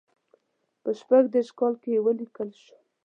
په شپږ دېرش کال کې ولیکل شو.